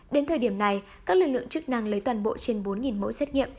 đến thời điểm này các lực lượng chức năng lấy toàn bộ trên bốn mẫu xét nghiệm